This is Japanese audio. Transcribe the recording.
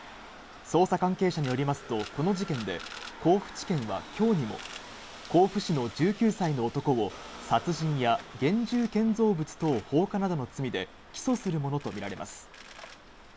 捜査関係者によりますと、この事件で甲府地検は今日にも甲府市の１９歳の男を殺人や現住建造物等放火などの罪で起訴するものとみられます。